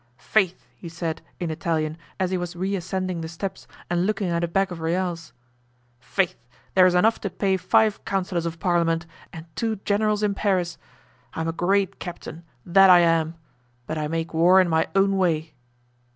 "Faith," he said, in Italian, as he was reascending the steps and looking at a bag of reals, "faith, there's enough to pay five councillors of parliament, and two generals in Paris. I am a great captain—that I am! but I make war in my own way."